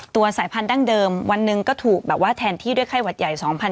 สายพันธั้งเดิมวันหนึ่งก็ถูกแบบว่าแทนที่ด้วยไข้หวัดใหญ่๒๐๑๘